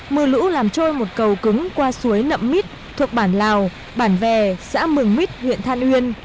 mưa lũ làm trôi một cầu cứng qua suối nậm mít thuộc bản lào bản vè xã mừng mít huyện than uyên